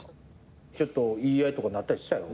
ちょっと言い合いとかなったりしたよ。